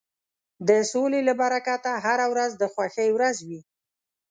د سولې له برکته هره ورځ د خوښۍ ورځ وي.